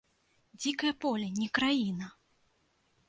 Дзікае поле, не краіна!